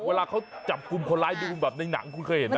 เวลาเขาจับกลุ่มคนร้ายดูแบบในหนังคุณเคยเห็นไหม